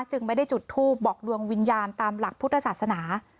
จึงไม่ได้จุดทูปบอกดวงวิญญาณตามหลักพุทธศาสนา